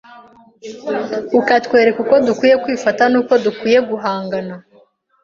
ukatwereka uko dukwiye kwifata n’uko dukwiye guhangana n